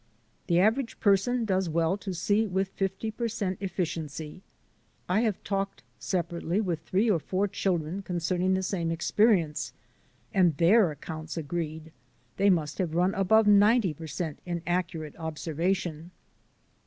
The average person does well to see with fifty per cent efficiency. I have talked separately with three or four children concerning the same experi ence, and their accounts agreed; they must have run above ninety per cent in accurate observation.